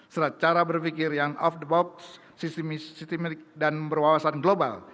secara cara berpikir yang of the box sistemik dan berwawasan global